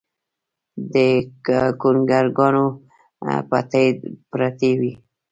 د ګونګروګانو پټۍ پرتې وې